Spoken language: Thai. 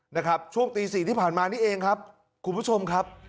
นะครับช่วงตีสี่ที่ผ่านมานี่เองครับคุณผู้ชมครับ